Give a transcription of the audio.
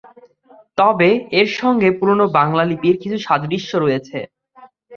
তবে এর সঙ্গে পুরনো বাংলা লিপির কিছু সাদৃশ্য রয়েছে।